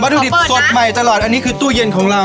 ดูดิบสดใหม่ตลอดอันนี้คือตู้เย็นของเรา